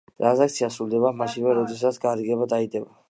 ტრანზაქცია სრულდება მაშინვე, როდესაც გარიგება დაიდება.